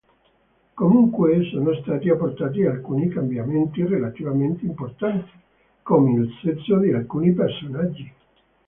Comunque, sono stati apportati alcuni cambiamenti relativamente importanti, come il sesso di alcuni personaggi.